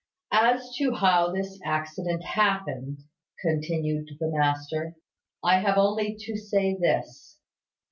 "As to how this accident happened," continued the master, "I have only to say this.